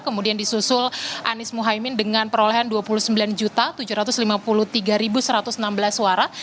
kemudian disusul anies muhaymin dengan perolehan dua puluh sembilan tujuh ratus lima puluh tiga satu ratus enam belas suara